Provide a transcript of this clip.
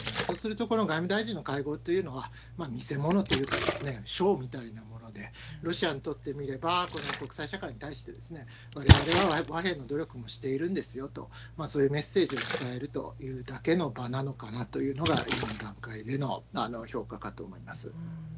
そうすると、この外務大臣の会合というのは、見せ物というかですね、ショーみたいなもので、ロシアにとってみれば、国際社会に対して、われわれは和平の努力もしているんですよと、そういうメッセージを伝えるというだけの場なのかなというのが、今の段階での評価かと思います。